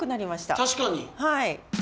確かに！